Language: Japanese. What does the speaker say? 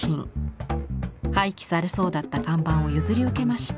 廃棄されそうだった看板を譲り受けました。